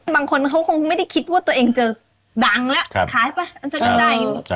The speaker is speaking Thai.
บางคนเขาคงไม่ได้คิดว่าตัวเองจะดังแล้วครับขายไป